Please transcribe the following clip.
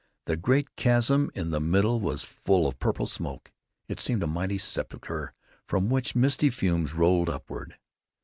The great chasm in the middle was full of purple smoke. It seemed a mighty sepulcher from which misty fumes rolled upward.